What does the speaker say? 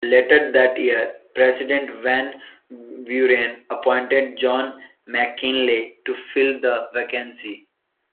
Later that year, President Van Buren appointed John McKinley to fill the vacancy.